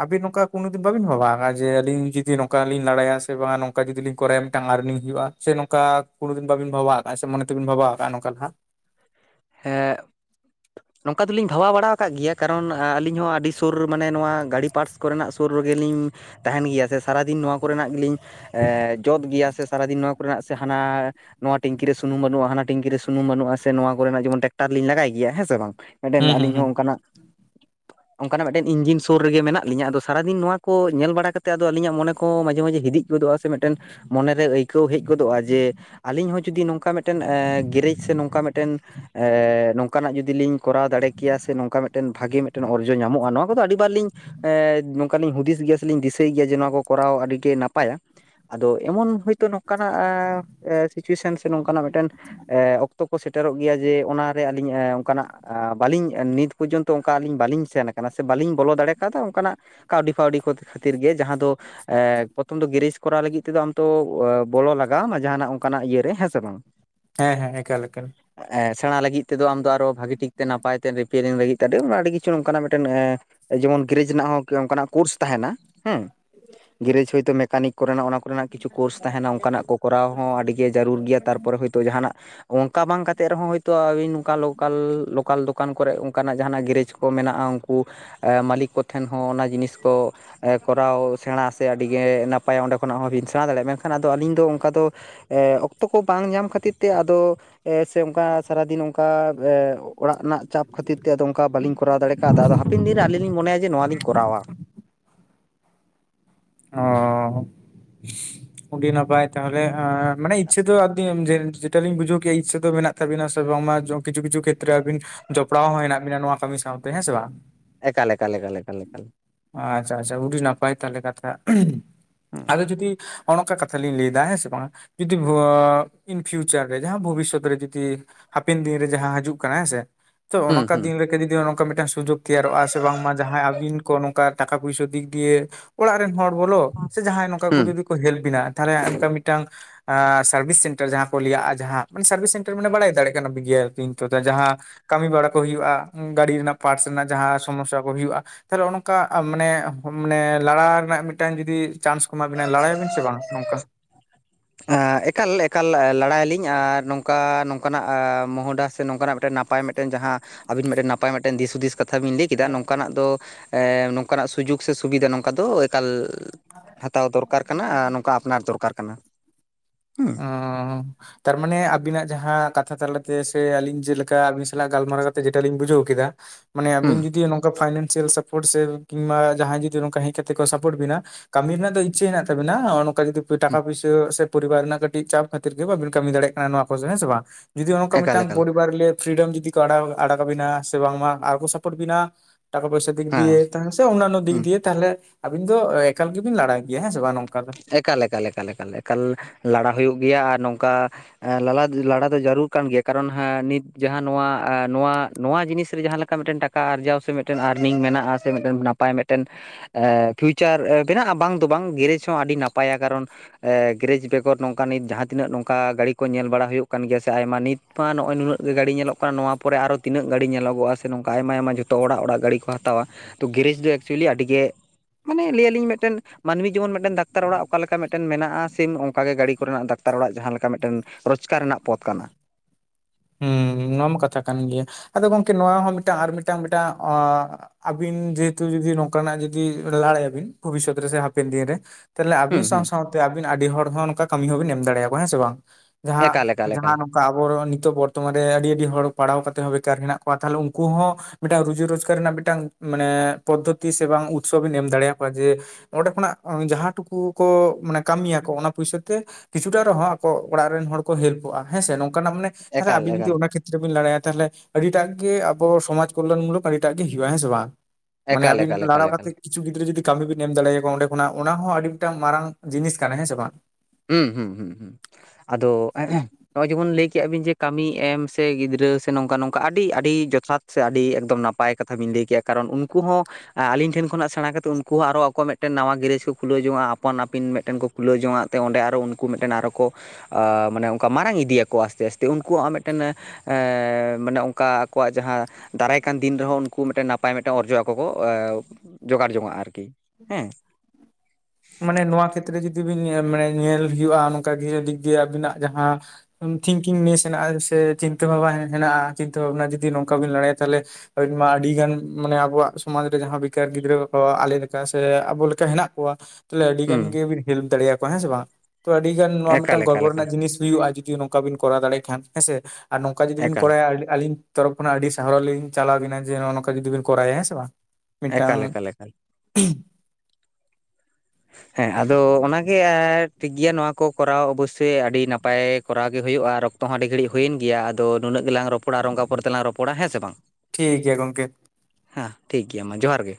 ᱟᱹᱵᱤᱱ ᱱᱚᱝᱠᱟ ᱠᱳᱱᱳ ᱫᱤᱱ ᱵᱟᱹᱵᱤᱱ ᱵᱷᱟᱵᱟᱣ ᱟᱠᱟᱫᱟ ᱡᱮ ᱟᱹᱞᱤᱧ ᱡᱩᱫᱤ ᱱᱚᱝᱠᱟ ᱞᱤᱧ ᱞᱟᱲᱮᱭᱟᱜ ᱥᱮ ᱵᱟᱝ ᱱᱚ ᱚᱝᱠᱟ ᱡᱩᱫᱤᱞᱤᱧ ᱠᱚᱨᱟᱭᱟ ᱢᱤᱫᱴᱟᱝ ᱟᱨᱱᱤᱝ ᱦᱩᱭᱩᱜᱼᱟ, ᱥᱮ ᱱᱚᱠᱟ ᱠᱚᱱᱳ ᱫᱤᱱ ᱵᱟᱵᱤᱱ ᱵᱷᱟᱵᱟᱣ ᱠᱟᱜ ᱟ ᱥᱮ ᱢᱚᱱᱮ ᱛᱮᱵᱤᱱ ᱵᱷᱟᱵᱟᱣ ᱠᱟᱜᱼᱟ ᱱᱚᱝᱠᱟ ᱞᱟᱦᱟ ᱦᱮᱸ, ᱦ [unintelligible] ᱱᱚᱝᱠᱟ ᱫᱚᱞᱤᱧ ᱵᱷᱟᱵᱟᱣ ᱵᱟᱲᱟᱣ ᱟᱠᱟᱫ ᱜᱮᱭᱟ, ᱠᱟᱨᱚᱱ ᱟᱹᱞᱤᱧ ᱦᱚᱸ ᱟᱹᱰᱤ ᱥᱩᱨ ᱢᱟᱱᱮ ᱱᱚᱣᱟ ᱜᱟᱹᱰᱤ ᱯᱟᱴᱥ ᱠᱚᱨᱮᱱᱟᱜ ᱥᱩᱨ ᱨᱮᱜᱮᱞᱤᱧ ᱛᱟᱦᱮᱱ ᱜᱮᱭᱟ ᱥᱮ ᱥᱟᱨᱟᱫᱤᱱ ᱱᱚᱣᱟ ᱠᱚᱨᱮᱱᱟᱜ ᱜᱮᱞᱤᱧ ᱡᱚᱫ ᱜᱮᱭᱟ, ᱥᱮ ᱥᱟᱨᱟᱫᱤᱱ ᱱᱚᱣᱟ ᱠᱚᱨᱮᱱᱟᱜ ᱥᱮ ᱦᱟᱱᱟ ᱱᱚᱣᱟ ᱴᱮᱝᱠᱤ ᱨᱮ ᱥᱩᱱᱩᱢ ᱵᱟᱹᱱᱩᱜᱼᱟ ᱦᱟᱱᱟ ᱴᱮᱝᱠᱤ ᱨᱮ ᱥᱩᱱᱩᱢ ᱵᱟᱹᱱᱩᱜᱼᱟ ᱥᱮ ᱱᱚᱣᱟ ᱠᱚᱨᱮᱱᱟᱜ ᱡᱮᱢᱚᱱ ᱴᱨᱟᱠᱴᱟᱨ ᱞᱤᱧ ᱞᱟᱜᱟᱭ ᱜᱮᱭᱟ ᱦᱮᱸ ᱥᱮ ᱵᱟᱝ, ᱢᱤᱫᱴᱮᱱ ᱦᱩᱸ ᱦᱩᱸ ᱟᱹᱞᱤᱧ ᱦᱩᱸ ᱦᱚᱸ ᱚᱱᱠᱟᱱᱟᱜ ᱚᱱᱠᱟᱱᱟᱜ ᱢᱤᱫᱴᱮᱱ ᱤᱧᱡᱤᱱ ᱥᱩᱨ ᱨᱮᱜᱮ ᱢᱮᱱᱟᱜ ᱞᱤᱧᱟᱹ ᱟᱫᱚ ᱥᱟᱨᱟᱫᱤᱱ ᱱᱚᱣᱟ ᱠᱚ ᱧᱮᱞ ᱵᱟᱲᱟ ᱠᱟᱛᱮ ᱟᱫᱚ ᱟᱹᱞᱤᱧᱟᱜ ᱢᱚᱱᱮ ᱠᱚ ᱢᱟᱡᱷᱮ ᱢᱟᱡᱷᱮ ᱦᱤᱫᱤᱡᱽ ᱜᱚᱫᱚᱜᱼᱟ, ᱥᱮ ᱢᱤᱫᱴᱮᱱ ᱢᱚᱱᱮᱨᱮ ᱟᱹᱭᱠᱟᱹᱣ ᱦᱮᱡ ᱜᱚᱫᱚᱜᱼᱟ ᱡᱮ ᱟᱞᱤᱧ ᱦᱚᱸ ᱡᱩᱫᱤ ᱱᱚᱝᱠᱟ ᱢᱤᱫᱴᱮᱱ ᱜᱮᱨᱮᱡᱽ ᱥᱮ ᱱᱚᱝᱠᱟ ᱢᱤᱫᱴᱮᱱ ᱮ ᱱᱚᱝᱠᱟᱱᱟᱜ ᱡᱩᱫᱤᱞᱤᱧ ᱠᱚᱨᱟᱣ ᱫᱟᱲᱮ ᱠᱮᱭᱟ ᱥᱮ ᱱᱚᱝᱠᱟ ᱢᱤᱫᱴᱮᱱ ᱵᱷᱟᱜᱤ ᱢᱤᱫᱴᱮᱱ ᱚᱨᱡᱚ ᱧᱟᱢᱚᱜᱼᱟ, ᱱᱚᱣᱟ ᱠᱚᱫᱚ ᱞᱤᱧ ᱮᱜ ᱱᱚᱝᱠᱟᱞᱤᱧ ᱦᱩᱫᱤᱥ ᱜᱮᱭᱟ ᱥᱮᱞᱤᱧ ᱫᱤᱥᱟᱹᱭ ᱜᱮᱭᱟ ᱡᱮ ᱱᱚᱣᱟ ᱠᱚ ᱠᱚᱨᱟᱣ ᱟᱹᱰᱤᱜᱮ ᱱᱟᱯᱟᱭᱟ᱾ ᱟᱫᱚ ᱮᱢᱚᱱ ᱦᱚᱭᱛᱳ ᱱᱚᱝᱠᱟᱱᱟᱜ ᱥᱤᱪᱩᱭᱮᱥᱚᱱ ᱥᱮ ᱱᱚᱝᱠᱟᱱᱟᱜ ᱢᱤᱫᱴᱮᱱ ᱮᱜ ᱚᱠᱛᱚ ᱠᱚ ᱥᱮᱴᱮᱨᱚᱜ ᱜᱮᱭᱟ ᱡᱮ ᱚᱱᱟᱨᱮ ᱟᱹᱞᱤᱧ ᱚᱱᱠᱟᱱᱟᱜ ᱵᱟᱹᱞᱤᱧ ᱱᱤᱛ ᱯᱚᱨᱡᱚᱱᱛᱚ ᱚᱱᱠᱟ ᱟᱹᱞᱤᱧ ᱵᱟᱹᱞᱤᱧ ᱥᱮᱱ ᱟᱠᱟᱱᱟ ᱥᱮ ᱵᱟᱹᱞᱤᱧ ᱵᱚᱞᱚ ᱫᱟᱲᱮ ᱠᱟᱣᱫᱟ ᱚᱱᱠᱟᱱᱟᱜ ᱠᱟᱹᱣᱰᱤ ᱯᱷᱟᱹᱣᱰᱤ ᱠᱚ ᱠᱷᱟᱹᱛᱤᱨ ᱜᱮ, ᱡᱟᱦᱟᱸ ᱫᱚ ᱯᱨᱚᱛᱷᱚᱢ ᱫᱚ ᱜᱮᱨᱮᱡ ᱠᱚᱨᱟᱣ ᱞᱟᱹᱜᱤᱫ ᱛᱮᱫᱚ ᱟᱢ ᱛᱚ ᱵᱚᱞᱚ ᱞᱟᱜᱟᱣ ᱟᱢᱟ ᱡᱟᱦᱟᱱᱟᱜ ᱚᱱᱠᱟᱱᱟᱜ ᱤᱭᱟᱹᱨᱮ ᱦᱮᱸ ᱥᱮ ᱵᱟᱝ? ᱦᱮᱸ ᱦᱮᱸ ᱮᱠᱟᱞᱼᱮᱠᱟᱞ᱾ ᱮᱸ ᱥᱮᱬᱟ ᱞᱟᱹᱜᱤᱫ ᱛᱮᱫᱚ ᱟᱢ ᱫᱚ ᱟᱨᱚ ᱵᱷᱟᱹᱜᱤ ᱴᱷᱤᱠ ᱛᱮ ᱱᱟᱯᱟᱭ ᱛᱮ ᱨᱤᱯᱭᱮᱨᱤᱝ ᱞᱟᱹᱜᱤᱫ ᱛᱮ ᱟᱹᱰᱤ ᱠᱤᱪᱷᱩ ᱱᱚᱝᱠᱟᱱᱟᱜ ᱢᱤᱫᱴᱮᱱᱸ ᱮ ᱡᱮᱢᱚᱱ ᱜᱮᱨᱮᱡᱽ ᱨᱮᱱᱟᱜ ᱦᱚᱸ ᱚᱱᱠᱟᱱᱟᱜ ᱠᱳᱨᱥ ᱛᱟᱦᱮᱱᱟ ᱦᱮᱸ ᱜᱮᱨᱮᱡ ᱦᱚᱭᱛᱚ ᱢᱮᱠᱟᱱᱤᱠ ᱠᱚᱨᱮᱱᱟᱜ ᱚᱱᱟ ᱠᱚᱨᱮᱱᱟᱜ ᱠᱤᱪᱷᱩ ᱠᱳᱨᱥ ᱛᱟᱦᱮᱱᱟ, ᱚᱱᱠᱟᱱᱟᱜ ᱠᱚᱨᱟᱣ ᱦᱚᱸ ᱟᱹᱰᱤ ᱜᱮ ᱡᱟᱹᱨᱩᱲ ᱜᱮᱭᱟ ᱛᱟᱨᱯᱚᱨᱮ ᱦᱳᱭ ᱛᱚ ᱡᱟᱦᱟᱱᱟᱜ ᱚᱱᱠᱟ ᱵᱟᱝ ᱠᱟᱛᱮ ᱛᱮᱫ ᱨᱮᱦᱚᱸ ᱦᱳᱭᱛᱳ ᱟᱵᱤᱱ ᱱᱚᱝᱠᱟ ᱞᱳᱠᱟᱞ ᱞᱳᱠᱟᱞ ᱫᱚᱠᱟᱱ ᱠᱚᱨᱮ ᱚᱱᱠᱟᱱᱟᱜ ᱡᱟᱦᱟᱱᱟᱜ ᱜᱮᱨᱮᱡᱽ ᱠᱚ ᱢᱮᱱᱟᱜᱼᱟ ᱩᱱᱠᱩ ᱮ ᱢᱟᱹᱞᱤᱠ ᱠᱚᱴᱷᱮᱱ ᱦᱚᱸ ᱚᱱᱟ ᱡᱤᱱᱤᱥ ᱠᱚ ᱠᱚᱨᱟᱣ ᱥᱮᱬᱟ ᱥᱮ ᱟᱹᱰᱤᱜᱮ ᱱᱟᱯᱟᱭ ᱚᱸᱰᱮ ᱠᱷᱚᱱᱟᱜ ᱦᱚᱸᱵᱤᱱ ᱥᱮᱬᱟ ᱫᱟᱲᱮᱭᱟᱜᱼᱟ, ᱢᱮᱱᱠᱷᱟᱱ ᱟᱫᱚ ᱟᱹᱞᱤᱧ ᱫᱚ ᱚᱱᱠᱟ ᱫᱚ ᱮ ᱚᱠᱛᱚ ᱠᱚ ᱵᱟᱝ ᱧᱟᱢ ᱠᱷᱟᱹᱛᱤᱨ ᱛᱮ ᱟᱫᱚ -ᱼ ᱮ ᱚᱱᱠᱟ ᱥᱟᱨᱟᱫᱤᱱ ᱚᱱᱠᱟ ᱮ ᱚᱲᱟᱜ ᱨᱮᱱᱟᱜ ᱪᱟᱯ ᱠᱷᱟᱹᱛᱤᱨ ᱛᱮᱫᱚ ᱚᱱᱠᱟ ᱵᱟᱹᱞᱤᱧ ᱠᱚᱨᱟᱣ ᱫᱟᱲᱮ ᱠᱟᱫᱟ ᱟᱫᱚ ᱦᱟᱯ ᱛᱤᱱ ᱫᱤᱱ ᱨᱮ ᱟᱹᱞᱤᱧ ᱞᱤᱧ ᱢᱚᱱᱮᱭᱟ ᱡᱮ ᱱᱚᱣᱟ ᱞᱤᱧ ᱠᱚᱨᱟᱣᱟ᱾ ᱚᱻ ᱟᱹᱰᱤ ᱱᱟᱯᱟᱭ ᱛᱟᱦᱚᱞᱮ ᱢᱟᱱᱮ ᱤᱪᱷᱟᱹ ᱫᱚ ᱡᱮᱴᱟᱞᱤᱧ ᱵᱩᱡᱷᱟᱹᱣ ᱠᱮᱜᱼᱟ, ᱤᱪᱪᱷᱟᱹ ᱫᱚ ᱢᱮᱱᱟᱜ ᱛᱟᱵᱤᱱᱟ ᱥᱮ ᱵᱟᱝᱢᱟ ᱠᱤᱪᱷᱩᱼᱠᱤᱪᱷᱩ ᱠᱷᱮᱛᱨᱮ ᱟᱵᱤᱱ ᱡᱚᱯᱲᱟᱣ ᱦᱚᱸ ᱦᱮᱱᱟᱜ ᱵᱤᱱᱟ ᱱᱚᱣᱟ ᱠᱟᱹᱢᱤ ᱥᱟᱶᱛᱮ ᱦᱮᱸ ᱥᱮ ᱵᱟᱝ? ᱮᱠᱟᱞᱼᱮᱠᱟᱞᱼᱮᱠᱟᱞᱼᱮᱠᱟᱞᱼᱮᱠᱟᱞ, ᱟᱪᱪᱷᱟᱼᱟᱪᱪᱷᱟ ᱩᱹᱰᱤ ᱱᱟᱯᱟᱭ ᱛᱟᱦᱚᱞᱮ ᱠᱟᱛᱷᱟ, ᱦᱮᱸ ᱟᱫᱚ ᱡᱩᱫᱤ ᱚᱱ ᱚᱱᱠᱟ ᱠᱟᱛᱷᱟ ᱞᱤᱧ ᱞᱟᱹᱭᱫᱟ ᱦᱮᱸ ᱥᱮ ᱵᱟᱝ ᱡᱩᱫᱤ ᱤᱱ ᱯᱷᱤᱭᱩᱪᱟᱨ ᱨᱮ ᱡᱟᱦᱟᱸ ᱵᱷᱚᱵᱤᱥᱚᱛ ᱨᱮ ᱡᱩᱫᱤ ᱦᱟᱯᱮᱱ ᱫᱤᱱ ᱨᱮ ᱡᱟᱦᱟᱸ ᱦᱤᱡᱩᱜ ᱠᱟᱱᱟ ᱦᱮᱸ ᱥᱮ, ᱛᱚ ᱦᱩᱸ ᱚᱱᱠᱟ ᱦᱩᱸ ᱫᱤᱱ ᱨᱮᱜᱮ ᱡᱩᱫᱤ ᱱᱚᱝᱠᱟ ᱢᱤᱫᱴᱟᱝ ᱥᱩᱡᱳᱜᱽ ᱛᱮᱭᱟᱨᱚᱜ ᱟ, ᱥᱮ ᱵᱟᱝᱢᱟ ᱡᱟᱦᱟᱸᱭ ᱟᱵᱤᱱ ᱠᱚ ᱱᱚ ᱠᱟ ᱴᱟᱠᱟ ᱯᱩᱭᱥᱟᱹ ᱫᱤᱠ ᱫᱤᱭᱮ ᱚᱲᱟᱜ ᱨᱮᱱ ᱦᱚᱲ ᱵᱚᱞᱚ, ᱥᱮ ᱡᱟᱦᱟᱸᱭ ᱱᱚᱝᱠᱟ ᱠᱚ ᱦᱩᱸ ᱡᱩᱫᱤ ᱠᱚ ᱦᱮᱯ ᱵᱤᱱᱟ, ᱛᱟᱦᱚᱞᱮ ᱚᱱᱠᱟ ᱢᱤᱫᱴᱟᱝ ᱟ ᱥᱟᱨᱵᱷᱤᱥ ᱥᱮᱱᱴᱟᱨ ᱡᱟᱦᱟᱸ ᱠᱚ ᱞᱟᱹᱭᱟᱜᱼᱟ ᱡᱟᱦᱟᱸ ᱢᱟᱱᱮ ᱥᱟᱨᱵᱷᱤᱥ ᱥᱮᱱᱴᱟᱨ ᱢᱟᱱᱮ ᱵᱟᱲᱟᱭ ᱫᱟᱲᱮᱜ ᱠᱟᱱ ᱜᱮᱭᱟ ᱵᱤᱱ ᱛᱚ ᱡᱟᱦᱟᱸ ᱠᱟᱹᱢᱤ ᱵᱟᱲᱟ ᱠᱚ ᱦᱩᱭᱩᱜᱼᱟ, ᱜᱟᱹᱰᱤ ᱨᱮᱱᱟᱜ ᱯᱟᱴᱥ ᱨᱮᱱᱟᱜ ᱡᱟᱦᱟᱸ ᱥᱚᱢᱚᱥᱭᱟ ᱠᱚ ᱦᱩᱭᱩᱜᱼᱟ᱾ ᱛᱟᱦᱞᱮ ᱚᱱᱠᱟ ᱢᱟᱱᱮ ᱢᱟᱱᱮ ᱞᱟᱲᱟ ᱨᱮᱱᱟᱜ ᱢᱤᱫᱴᱟᱝ ᱡᱩᱫᱤ ᱪᱟᱱᱥ ᱠᱚ ᱮᱢᱟ ᱵᱤᱱᱟ ᱞᱟᱲᱟᱭᱟᱵᱤᱱ ᱥᱮ ᱵᱟᱝ ᱱᱚᱝᱠᱟ᱾ ᱮᱸ ᱮᱠᱟᱞᱼᱮᱠᱟᱞ ᱞᱟᱲᱟᱭᱟᱞᱤᱧ ᱟᱨ ᱱᱚᱝᱠᱟ ᱱᱚᱝᱠᱟᱱᱟᱜ ᱟ ᱢᱚᱦᱰᱟ ᱥᱮ ᱱᱚᱝᱠᱟᱱᱟᱜ ᱢᱤᱫᱴᱮᱱ ᱱᱟᱯᱟᱭᱟᱜ ᱢᱮᱫ ᱴᱮᱱ ᱡᱟᱦᱟᱸ ᱟᱵᱤᱱ ᱢᱤᱴᱮᱱ ᱱᱟᱯᱟᱭ ᱢᱤᱴᱮᱱ ᱫᱤᱥ ᱦᱩᱫᱤᱫᱥ ᱠᱟᱛᱷᱟ ᱵᱤᱱ ᱞᱟᱹᱭ ᱠᱮᱫᱟ ᱱᱚᱝᱠᱟᱱᱟᱜ ᱫᱚ ᱮ ᱱᱚᱝᱠᱟᱱᱟᱜ ᱥᱩᱡᱩᱜᱽ ᱥᱮ ᱥᱩᱵᱤᱫᱷᱟ ᱱᱚᱝᱠᱟ ᱫᱚ ᱮᱠᱟᱞ ᱦᱟᱛᱟᱣ ᱫᱚᱨᱠᱟᱨ ᱠᱟᱱᱟ ᱟᱨ ᱱᱚᱝᱠᱟ ᱟᱯᱱᱟᱨ ᱫᱚᱨᱠᱟᱨ ᱠᱟᱱᱟ᱾ ᱦᱩᱸ ᱚ ᱛᱟᱨᱢᱟᱱᱮ ᱟᱵᱤᱱᱟᱜ ᱡᱟᱦᱟᱸ ᱠᱟᱛ ᱛᱷᱟ ᱛᱟᱞᱟᱛᱮ ᱥᱮ ᱟᱹᱞᱤᱧ ᱡᱮᱞᱮᱠᱟ ᱟᱵᱤᱱ ᱥᱟᱞᱟᱜ ᱜᱟᱞᱢᱟᱨᱟᱣ ᱠᱟᱛᱮ ᱡᱮᱴᱟ ᱞᱤᱧ ᱵᱩᱡᱷᱟᱹᱣ ᱠᱮᱫᱟ᱾ ᱢᱟᱱᱮ ᱦᱩᱸ ᱟᱵᱤᱱ ᱡᱩᱫᱤ ᱱᱚᱝᱠᱟ ᱯᱷᱟᱭᱱᱮᱱ ᱥᱤᱭᱟᱞ ᱥᱟ ᱯᱳᱴ ᱥᱮ ᱠᱤᱝᱵᱟ ᱡᱟᱦᱟᱸᱭ ᱡᱩᱫᱤ ᱱᱚᱝᱠᱟ ᱦᱮᱡ ᱠᱟᱛᱮ ᱠᱚ ᱥᱟᱯᱳᱴ ᱵᱤᱱᱟ ᱠᱟᱹᱢᱤ ᱨᱮᱱᱟᱜ ᱫᱚ ᱤᱪᱪᱷᱟᱹ ᱢᱮᱱᱟᱜ ᱛᱟᱵᱤᱱᱟ ᱠᱟ ᱡᱩᱫᱤ ᱴᱟᱠᱟ ᱯᱩᱭᱥᱟᱹ ᱥᱮ ᱯᱚᱨᱤᱵᱟᱨ ᱨᱮᱱᱟᱜ ᱠᱟᱹᱴᱤᱡ ᱪᱟᱯ ᱠᱷᱟᱹᱛᱤᱨ ᱜᱮ ᱵᱟᱵᱤᱱ ᱠᱟᱹᱢᱤ ᱫᱟᱲᱮᱜ ᱠᱟᱱᱟ ᱱᱚᱣᱟ ᱠᱚ ᱦᱮᱸ ᱥᱮ ᱵᱟᱝ? ᱡᱩᱫᱤ ᱚᱱᱮ ᱚᱝᱠᱟ ᱮᱠᱟᱞ ᱢᱤᱫᱴᱟᱝ ᱮᱠᱟᱞ ᱯᱤᱵᱟᱨ ᱞᱤᱭᱮ ᱯᱷᱨᱤᱰᱚᱢ ᱡᱩᱫᱤ ᱠᱚ ᱟᱲᱟᱜ ᱟᱲᱟᱜᱽ ᱟᱵᱤᱱᱟ ᱥᱮ ᱵᱟᱝᱢᱟ ᱟᱨᱠᱚ ᱥᱟᱯᱳᱴ ᱵᱤᱱᱟ ᱴᱟᱠᱟ ᱯᱚᱭᱥᱟ ᱫᱤᱠ ᱫᱤᱭᱮ ᱦᱮᱸ ᱛᱟ ᱛᱚ ᱚᱱᱱᱟᱱᱚ ᱦᱩᱸ ᱫᱤᱠ ᱫᱤᱭᱮ ᱛᱟᱦᱞᱮ ᱟᱵᱤᱱ ᱫᱚ ᱮᱠᱟᱞ ᱜᱮᱵᱤᱱ ᱞᱟᱲᱟ ᱜᱮᱭᱟ ᱦᱮᱸ ᱥᱮ ᱵᱟᱝ ᱱᱚᱝᱠᱟ ᱫᱚ? ᱮᱠᱟᱞ ᱮᱠᱟᱞ ᱮᱠᱟᱞ ᱮᱠᱟᱞ ᱮᱠᱟᱞ ᱞᱟᱲᱟ ᱦᱩᱭᱩᱜ ᱜᱮᱭᱟ ᱟᱨ ᱱᱚᱝᱠᱟ ᱞᱟᱞᱟ ᱞᱟᱲᱟ ᱫᱚ ᱡᱟᱹᱨᱩᱲ ᱠᱟᱱ ᱜᱮᱭᱟ ᱠᱟᱨᱚᱱ ᱦᱟ ᱱᱤᱛ ᱡᱟᱦᱟᱸ ᱱᱚᱣᱟ ᱮ ᱱᱚᱣᱟ, ᱱᱚᱣᱟ ᱡᱤᱱᱤᱥ ᱨᱮ ᱡᱟᱦᱟᱸ ᱞᱮᱠᱟ ᱢᱤᱫᱴᱮᱱ ᱴᱟᱠ ᱠᱟ ᱟᱨᱡᱟᱣ ᱥᱮ ᱢᱤᱴᱮᱱ ᱟᱨᱱᱤᱝ ᱢᱮᱱᱟᱜᱼᱟ ᱥᱮ ᱢᱤᱴᱮᱱ ᱱᱟᱯᱟᱭ ᱢᱤᱴᱮᱱ ᱮ ᱯᱷᱤᱭᱩᱪᱟᱨ ᱵᱮᱱᱟᱜᱼᱟ ᱵᱟᱝ ᱫᱚ ᱵᱟᱝ ᱜᱮᱨᱮᱡᱽ ᱦᱚᱸ ᱟᱹᱰᱤ ᱱᱟᱯᱟᱭᱟ ᱠᱟᱨᱚᱱ ᱮ ᱜᱮᱨᱮᱡᱽ ᱵᱮᱜᱚᱨ ᱱᱚᱝᱠ ᱱᱤᱛ ᱡᱟᱦᱟᱸ ᱛᱤᱱᱟᱹᱜ ᱱᱚᱝᱠᱟ ᱜᱟᱹᱲᱤ ᱠᱚ ᱧᱮᱞ ᱵᱟᱲᱟ ᱦᱩᱭᱩᱜ ᱠᱟᱱ ᱜᱮᱭᱟ ᱥᱮ ᱟᱭᱢᱟ ᱱᱤᱛ ᱢᱟ ᱱᱚᱜᱼᱚᱭ ᱱᱩᱱᱟᱹᱜ ᱜᱮ ᱜᱟᱹᱲᱤ ᱧᱮᱞᱚᱜ ᱠᱟᱱ ᱱᱚᱣᱟ ᱯᱚᱨᱮ ᱟᱨᱚ ᱛᱤᱱᱟᱹᱜ ᱜᱟᱹᱲᱤ ᱧᱮᱞᱚᱜᱼᱟ, ᱥᱮ ᱱᱚᱝᱠᱟ ᱟᱭᱢᱟ ᱟᱭᱢᱟ ᱡᱷᱚᱛᱚ ᱚᱲᱟᱜ ᱚᱲᱟᱜ ᱜᱟᱹᱲᱤ ᱠᱚ ᱦᱟᱛᱟᱣᱟ᱾ ᱛᱚ ᱜᱨᱮᱡᱽ ᱫᱚ ᱮᱠᱪᱩᱭᱮᱞᱤ ᱟᱹᱰᱤ ᱜᱮ ᱢᱟᱱᱮ ᱞᱟᱹᱭ ᱟᱞᱤᱧ ᱢᱤᱴᱮᱱ ᱢᱟᱹᱱᱢᱤ ᱡᱮᱢᱚᱱ ᱴᱮᱱ ᱰᱟᱠᱛᱟᱨ ᱚᱲᱟᱜ ᱚᱠᱟ ᱞᱮᱠᱟ ᱢᱤᱴᱮᱱ ᱢᱮᱱᱟᱜᱼᱟ ᱥᱮᱢ ᱚᱝᱠᱟ ᱜᱮ ᱜᱟᱹᱲᱤ ᱠᱚᱨᱮᱱᱟᱜ ᱰᱟᱠᱛᱟᱨ ᱚᱲᱟᱜ ᱡᱟᱦᱟᱸ ᱞᱮᱠᱟ ᱢᱤᱴᱮᱱ ᱨᱳᱡᱽᱠᱟᱨ ᱨᱮᱱᱟᱜ ᱯᱚᱫ ᱠᱟᱱᱟ᱾ ᱦᱩᱸ ᱱᱚᱣᱟ ᱢᱟ ᱠᱟᱛᱷᱟ ᱠᱟᱱ ᱜᱮᱭᱟ ᱟᱫᱚ ᱜᱚᱝᱠᱮ ᱱᱚᱣᱟ ᱦᱚᱸ ᱢᱤᱴᱟᱝ ᱟᱨ ᱢᱤᱴᱟᱝ ᱢᱤᱴᱟᱝ ᱚᱸ ᱟᱹᱵᱤᱱ ᱡᱮᱦᱮᱛᱩ ᱡᱩᱫᱤ ᱱᱚᱝᱠᱟᱱᱟᱜ ᱡᱩᱫᱤ ᱞᱟᱲᱟᱭᱟᱵᱤᱱ ᱵᱷᱚᱵᱤᱥᱚᱛ ᱨᱮ ᱥᱮ ᱦᱟᱯᱮᱱ ᱫᱤᱱ ᱨᱮ ᱛᱟᱦᱞᱮ ᱟᱵᱤᱱ ᱦᱩᱸ ᱥᱟᱶ ᱦᱩᱸ ᱥᱟᱶᱛᱮ ᱟᱹᱵᱤᱱ ᱟᱹᱰᱤ ᱦᱚᱲ ᱦᱚᱸ ᱱᱚᱝᱠᱟ ᱠᱟᱹᱢᱤ ᱦᱚᱸᱵᱤᱱ ᱮᱢ ᱫᱟᱲᱮᱭᱟᱠᱚᱣᱟ, ᱦᱮᱸ ᱥᱮ ᱵᱟᱝ ᱡᱟᱦᱟᱸ ᱮᱠᱟᱞ ᱮᱠᱟᱞ ᱮᱠᱟᱞ ᱡᱟᱦᱟᱸᱱᱚᱝ ᱠᱟ ᱟᱵᱚ ᱱᱤᱛᱚᱜ ᱵᱚᱨᱛᱚᱢᱟᱱ ᱨᱮ ᱟᱹᱰᱤ ᱟᱹᱰᱤ ᱦᱚᱲ ᱯᱟᱲᱦᱟᱣ ᱠᱟᱛᱮᱜ ᱦᱚᱸ ᱵᱮᱠᱟᱨ ᱦᱮᱱᱟᱜ ᱠᱚᱣᱟ ᱛᱟᱦᱞᱮ ᱩᱝᱠᱩ ᱦᱚᱸ ᱢᱤᱴᱟᱝ ᱨᱩᱡᱩ ᱨᱳᱡᱽᱜᱟᱨ ᱨᱮᱱᱟᱜ ᱢᱤᱴᱟᱝ ᱢᱟᱱᱮ ᱯᱚᱫᱽᱫᱷᱚᱛᱤ ᱥᱮ ᱵᱟᱝ ᱩᱛᱥᱚ ᱵᱤᱱ ᱮᱢ ᱫᱟᱲᱮᱭᱟᱠᱚᱣᱟ ᱡᱮ ᱚᱸᱰᱮ ᱠᱷᱚᱱᱟᱜ ᱡᱟᱦᱟᱸ ᱴᱩᱠᱩ ᱠᱚ ᱢᱟᱱᱮ ᱠᱟᱹᱢᱤᱭᱟᱠᱚ ᱚᱱᱟ ᱯᱩᱭᱥᱟᱹ ᱛᱮ ᱠᱤᱪᱷᱩ ᱴᱟ ᱨᱮᱦᱚᱸ ᱟᱠᱚ ᱚᱲᱟᱜ ᱨᱮᱱ ᱦᱚᱲ ᱠᱚ ᱦᱮᱞᱯᱚᱜᱼᱟ ᱦᱮᱸ ᱥᱮ ᱱᱚᱝᱠᱟᱱᱟᱜ ᱢᱟᱱᱮ ᱛᱟᱦᱞᱮ ᱮᱠᱟᱞ ᱟᱵᱤᱱ ᱡᱩᱫᱤ ᱮᱠᱟᱞ ᱚᱱᱟ ᱠᱷᱮᱛ ᱨᱮᱵᱤᱱ ᱞᱟᱲᱟᱭᱟ ᱛᱟᱦᱞᱮ ᱟᱹᱰᱤᱴᱟᱜ ᱜᱮ ᱟᱵᱚ ᱥᱚᱢᱟᱡᱽ ᱠᱚᱞᱞᱟᱱ ᱢᱩᱞᱚᱠ ᱟᱹᱰᱤᱴᱟᱜ ᱜᱮ ᱦᱩᱭᱩᱜᱼᱟ ᱦᱮᱸ ᱥᱮ ᱵᱟᱝ? ᱢᱟᱱᱮ ᱮᱠᱟᱞ ᱟᱵᱤᱱ ᱮᱠᱟᱞ ᱮᱠᱟᱞ ᱞᱟᱲᱟᱣ ᱮᱠᱟᱞ ᱠᱟᱛᱮᱜ ᱠᱤᱪᱷᱩ ᱜᱤᱫᱽᱨᱟᱹ ᱡᱩᱫᱤ ᱠᱟᱹᱢᱤᱵᱤᱱ ᱮᱢ ᱫᱟᱲᱮᱭᱟᱠᱚᱣᱟ ᱚᱸᱰᱮ ᱠᱷᱚᱱᱟᱜ ᱚᱱᱟ ᱦᱚᱸ ᱟᱹᱰᱤ ᱢᱤᱫᱴᱟᱝ ᱢᱟᱨᱟᱝ ᱡᱤᱱᱤᱥ ᱠᱟᱱᱟ ᱦᱮᱸ ᱥᱮ ᱵᱟᱝ᱾ ᱦᱩᱸ ᱦᱩᱸ ᱦᱩᱸ ᱦᱩᱸ ᱟᱫᱚ ᱱᱚᱜᱼᱚᱭ ᱡᱮᱢᱚᱱ ᱞᱟᱹᱭ ᱠᱮᱜᱼᱟ ᱵᱤᱱ ᱡᱮ ᱠᱟᱹᱢᱤ ᱮᱢ ᱥᱮ ᱜᱤᱫᱽᱨᱟᱹ ᱥᱮ ᱱᱚᱝᱠᱟ ᱱᱚᱝᱠᱟ ᱟᱹᱰᱤ ᱟᱹᱰᱤ ᱡᱚᱛᱷᱟᱛ ᱥᱮ ᱟᱹᱰᱤ ᱮᱠᱫᱚᱢ ᱱᱟᱯᱟᱭ ᱠᱟᱛᱷᱟ ᱵᱤᱱ ᱞᱟᱹᱭ ᱠᱮᱜᱼᱟ ᱠᱟᱨᱚᱱ ᱩᱱᱠᱩ ᱦᱚᱸ ᱮᱸ ᱟᱹᱞᱤᱧ ᱴᱷᱮᱱ ᱠᱷᱚᱱᱟᱜ ᱥᱮᱬᱟ ᱠᱟᱛᱮᱜ ᱩᱱᱠᱩ ᱦᱚᱸ ᱟᱨᱚ ᱟᱠᱚ ᱢᱤᱜᱴᱮᱱ ᱱᱟᱣᱟ ᱜᱮᱨᱮᱡᱽ ᱠᱚ ᱠᱷᱩᱞᱟᱹᱣ ᱡᱚᱝᱟ᱾ ᱟᱯᱟᱱ ᱟᱹᱯᱤᱱ ᱢᱤᱴᱮᱱ ᱠᱚ ᱠᱷᱩᱞᱟᱹᱣ ᱡᱚᱝᱟ᱾ ᱛᱮ ᱚᱸᱰᱮ ᱟᱨᱚ ᱩᱱᱠᱩ ᱢᱤᱫᱴᱮᱱ ᱟᱨᱚ ᱠᱚ ᱟ ᱢᱟᱱᱮ ᱚᱝᱠᱟ ᱢᱟᱨᱟᱝ ᱤᱫᱤᱭᱟᱠᱚ ᱟᱥᱛᱮ ᱟᱥᱛᱮ ᱩᱱᱠᱩᱣᱟᱜ ᱢᱤᱫᱴᱮᱱ ᱮ ᱮ ᱢᱟᱱᱮ ᱚᱝᱠᱟ ᱟᱠᱚᱣᱟᱜ ᱡᱟᱦᱟᱸ ᱫᱟᱨᱟᱭ ᱠᱟᱱ ᱫᱤᱱ ᱨᱮᱦᱚᱸ ᱩᱱᱠᱩ ᱢᱤᱴᱮᱱ ᱱᱟᱯᱟᱭ ᱢᱤᱴᱮᱱ ᱚᱨᱡᱚ ᱟᱠᱚ ᱠᱚ ᱮ ᱡᱚᱜᱟᱲ ᱡᱚᱝᱟᱜᱼᱟ ᱟᱨᱠᱤ ᱦᱮᱸ᱾ ᱢᱟᱱᱮ ᱱᱚᱣᱟ ᱠᱷᱮᱛᱨᱮ ᱡᱩᱫᱤ [unintelligible] ᱢᱟᱱᱮ ᱧᱮᱞ ᱦᱩᱭᱩᱜᱼᱟ ᱱᱚᱝᱠᱟ ᱜᱮ ᱫᱤᱠ ᱫᱤᱭᱮ ᱟᱵᱤᱱᱟᱜ ᱡᱟᱦᱟᱸ ᱛᱷᱤᱝᱠᱤᱝ ᱱᱮᱥ ᱦᱮᱱᱟᱜᱼᱟ ᱥᱮ ᱪᱤᱱᱛᱟᱹ ᱵᱷᱟᱵᱟ ᱦᱮᱱᱟᱜᱼᱟ ᱪᱤᱱᱛᱟᱹ ᱵᱷᱟᱵᱱᱟ ᱡᱩᱫᱤ ᱱᱚᱝᱠᱟ ᱵᱤᱱ ᱞᱟᱲᱟᱭᱟ ᱛᱟᱦᱞᱮ [unintelligible] ᱟᱹᱰᱤᱜᱟᱱ ᱢᱟᱱᱮ ᱟᱵᱚᱣᱟᱜ ᱥᱚᱢᱟᱡᱽ ᱨᱮ ᱡᱟᱦᱟᱸ ᱵᱮᱠᱟᱨ ᱜᱤᱫᱽᱨᱟᱹ ᱠᱚ ᱟᱞᱮ ᱞᱮᱠᱟ ᱥᱮ ᱟᱵᱚ ᱞᱮᱠᱟ ᱦᱮᱱᱟᱜ ᱠᱚᱣᱟ᱾ ᱛᱟᱦᱚᱞᱮ ᱟᱹᱰᱤ ᱜᱟᱱ ᱦᱩᱸ ᱜᱮᱵᱤᱱ ᱦᱮᱞᱯ ᱫᱟᱲᱮᱭᱟᱠᱚᱣᱟ ᱦᱮᱸ ᱥᱮ ᱵᱟᱝ, ᱛᱚ ᱟᱹᱰᱤ ᱜᱟᱱ ᱱᱚᱣᱟ ᱮᱠᱟᱞ ᱢᱤᱫᱴᱟᱝ ᱜᱚᱨᱵᱚ ᱮᱠᱟᱞ ᱮᱠᱟᱞ ᱨᱮᱱᱟᱜ ᱡᱤᱱᱤᱥ ᱦᱩᱭᱩᱜᱼᱟ ᱡᱩᱫᱤ ᱱᱚᱝᱠᱟ ᱵᱤᱱ ᱠᱚᱨᱟᱣ ᱫᱟᱲᱮᱭᱟᱜ ᱠᱷᱟᱱ ᱦᱮᱸᱥᱮ, ᱟᱨ ᱱᱚᱝᱠᱟ ᱡᱩᱫᱤ ᱵᱤᱱ ᱮᱠᱟᱞ ᱠᱚᱨᱟᱣᱟ ᱟᱞᱤ ᱟᱞᱤᱧ ᱛᱚᱨᱚᱯᱷ ᱠᱷᱚᱱᱟᱜ ᱟᱹᱰᱤ ᱥᱟᱦᱚᱨ ᱞᱤᱧ ᱪᱟᱞ ᱟᱵᱤᱱᱟ, ᱡᱮ ᱱᱚᱜᱼᱚ ᱱᱚᱝᱠᱟ ᱡᱩᱫᱤ ᱵᱤᱱ ᱠᱚᱨᱟᱭᱟ ᱦᱮᱸ ᱥᱮ ᱵᱟᱝ ᱢᱤᱫᱴᱟᱝ ᱮᱠᱟᱞ ᱮᱠᱟᱞ ᱮᱠᱟᱞ [unintelligible] ᱦᱮᱸ ᱟᱫᱚ ᱚᱱᱟᱜᱮ ᱴᱷᱤᱠ ᱜᱮᱭᱟ ᱱᱚᱣᱟ ᱠᱚ ᱠᱚᱨᱟᱣ ᱚᱵᱚᱥᱥᱳᱭ ᱟᱹᱰᱤ ᱱᱟᱯᱟᱭᱠᱚᱨᱟᱣ ᱜᱮ ᱦᱩᱭᱩᱜᱼᱟ ᱟᱨᱚ᱾ ᱚᱠᱛᱚ ᱦᱚᱸ ᱟᱸᱰᱤ ᱜᱷᱲᱤᱡ ᱦᱩᱭᱮᱱ ᱜᱮᱭᱟ ᱟᱫᱚ ᱱᱩᱱᱟᱹᱜ ᱜᱮᱞᱟᱝ ᱨᱚᱯ ᱯᱚᱲᱟ ᱟᱨᱦᱚᱸ ᱚᱱᱠᱟ ᱯᱚᱨᱮ ᱛᱮᱞᱟᱝ ᱨᱚᱯᱚᱲᱟ ᱦᱮᱸ ᱥᱮ ᱵᱟᱝ ᱴᱷᱤᱠ ᱜᱮᱭᱟ ᱜᱚᱝᱠᱮ ᱦᱮᱸ ᱴᱷᱤᱠ ᱜᱮᱭᱟ ᱢᱟ ᱡᱚᱦᱟᱨ ᱜᱮ᱾